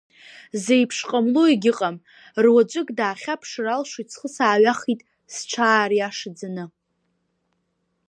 Зеиԥш ҟамло егьыҟам, руаӡәык даахьаԥшыр алшоит схы сааҩахеит, сҽаариашаӡаны…